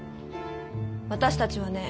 私たちはね